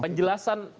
penjelasan yang penting